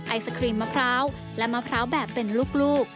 ไอศครีมมะพร้าวและมะพร้าวแบบเป็นลูก